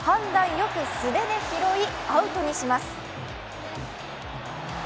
よく素手で拾いアウトにします。